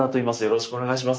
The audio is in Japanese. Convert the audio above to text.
よろしくお願いします。